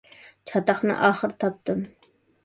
چاتاقنى ئاخىرى تاپتىم.